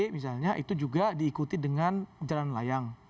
misalnya itu juga diikuti dengan jalan layang